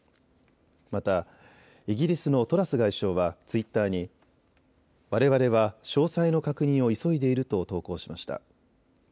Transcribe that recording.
また、イギリスのトラス外相はツイッターにわれわれは詳細の確認を急いでいると投稿しました。